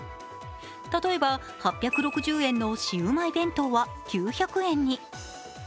例えば８６０円のシウマイ弁当は９００円に。